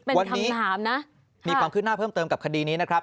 เป็นคำถามนะมีความคิดหน้าเพิ่มเติมกับคดีนี้นะครับ